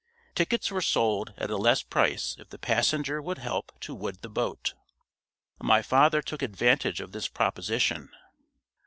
Tickets were sold at a less price if the passenger would help to wood the boat; my father took advantage of this proposition.